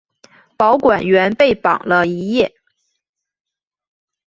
保管员被绑了一夜。